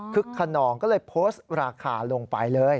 ขนองก็เลยโพสต์ราคาลงไปเลย